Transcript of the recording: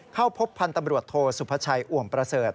เข้าพบพันธ์ตำรวจโทสุภาชัยอ่วมประเสริฐ